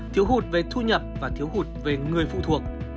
thiếu hụt về thu nhập và thiếu hụt về người phụ thuộc